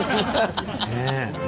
ねえ。